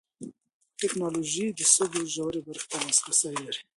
ټېکنالوژي د سږو ژورې برخې ته لاسرسی لري.